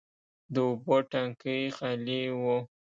د اوبو ټانکي خالي و.